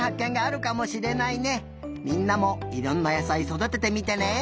みんなもいろんな野さいそだててみてね！